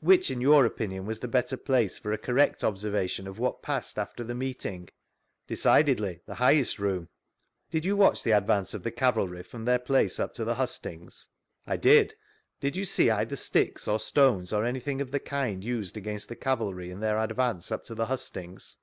Which, 4n your opinion, was the better place for a correct observation of what passed after the meeting? — Decidedly, the highest room. Did you watch the advance of the cavalry from their place up to the hustings P^I did. Did you see either sticks, or stones, or aoything of th« kind used against the cavalry iU their advance up to the hustings